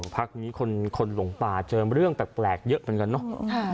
พักนี้คนหลงป่าเจอเรื่องแปลกเยอะเหมือนกันเนอะ